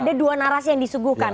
ada dua narasi yang disuguhkan